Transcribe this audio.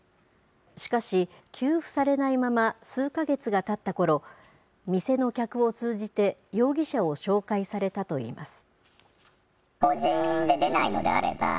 しかし、給付されないまま、数か月がたったころ、店の客を通じて、容疑者を紹介されたといいます。